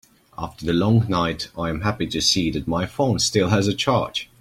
After the long night, I am happy to see that my phone still has a charge.